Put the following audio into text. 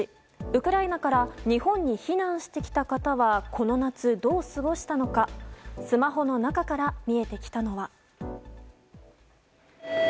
ウクライナから日本に避難してきた方はこの夏どう過ごしたのかスマホの中から見えてきたのは。